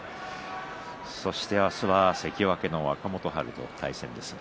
そして明日は関脇の若元春との対戦です。